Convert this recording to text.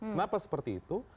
kenapa seperti itu